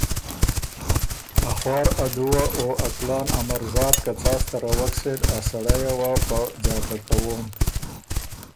ا خوار ا دُوه او ا کُلان ا مرزات که څا ستروک سېن ا سړئ یه وه په ځاکه کَوون۔